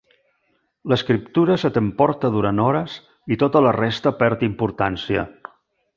L'escriptura se t'emporta durant hores i tota la resta perd importància.